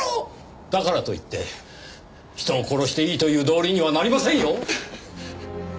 だからといって人を殺していいという道理にはなりませんよ！